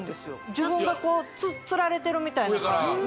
自分がこうつられてるみたいな感じ